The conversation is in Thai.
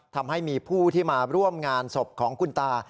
ทำให้มีผู้ที่มาร่วมงานศพของคุณตา